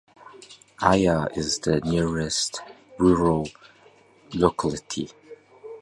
Aya is the nearest rural locality.